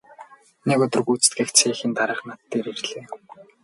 Нэг өдөр гүйцэтгэх цехийн дарга над дээр ирлээ.